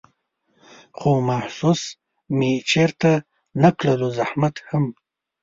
خو محسوس مې چېرته نه کړلو زحمت هم